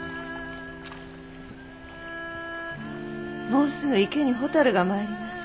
もうすぐ池に蛍が参ります。